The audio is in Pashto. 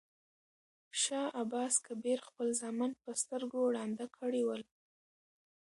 شاه عباس کبیر خپل زامن په سترګو ړانده کړي ول.